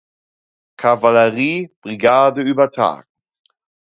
Kavallerie-Brigade übertragen.